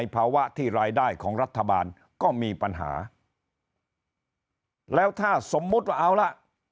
ภาวะที่รายได้ของรัฐบาลก็มีปัญหาแล้วถ้าสมมุติว่าเอาล่ะ